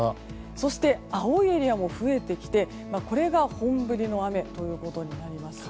そして、青いエリアも増えてきてこれが本降りの雨ということになります。